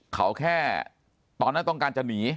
เขาแค่ตอนนั้นต้องการจะหนี